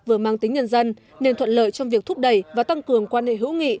vừa mang tính nhân dân nên thuận lợi trong việc thúc đẩy và tăng cường quan hệ hữu nghị